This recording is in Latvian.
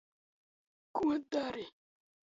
Ko dari